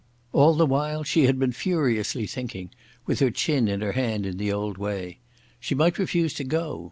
All the while she had been furiously thinking, with her chin in her hand in the old way.... She might refuse to go.